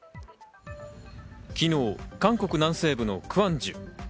昨日、韓国南西部のクァンジュ。